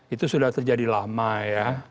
itu sudah terjadi lama ya